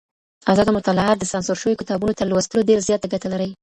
ازاده مطالعه د سانسور شويو کتابونو تر لوستلو ډېره زياته ګټه لري.